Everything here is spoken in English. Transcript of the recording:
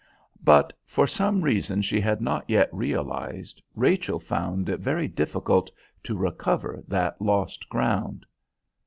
But for some reason she had not yet realised, Rachel found it very difficult to recover that lost ground.